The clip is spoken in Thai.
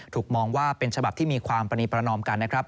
ถูกมองว่าเป็นฉบับที่มีความปรณีประนอมกันนะครับ